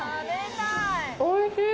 おいしい！